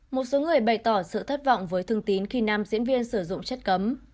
một số người bày tỏ sự thất vọng với thương tín khi nam diễn viên sử dụng chất cấm